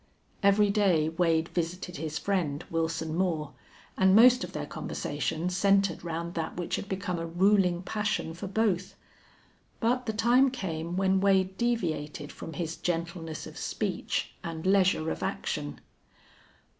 Every day Wade visited his friend Wilson Moore, and most of their conversation centered round that which had become a ruling passion for both. But the time came when Wade deviated from his gentleness of speech and leisure of action.